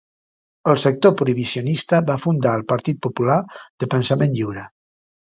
El sector prohibicionista va fundar el Partit Popular de Pensament Lliure.